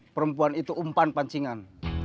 perempuan itu umpan pancingan